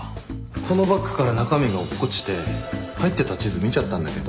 このバッグから中身が落っこちて入ってた地図見ちゃったんだけど。